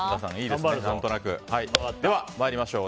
では、参りましょう。